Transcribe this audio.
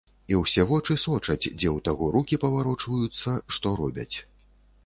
І ўсё вочы сочаць, дзе ў таго рукі паварочваюцца, што робяць.